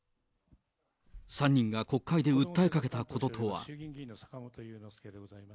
３人が国会で訴えかけたこととは。